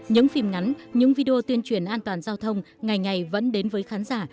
những phim ngắn những video tuyên truyền an toàn giao thông ngày ngày vẫn đến với khán giả